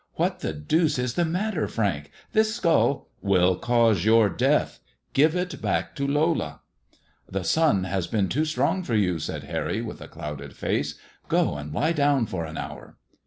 " What the deuce is the matter, Frank? This skull "" Will cause your death. Give it back to Lola." The sun has been too strong for you," said Harry, with a clouded face ;" go and lie down for an hour."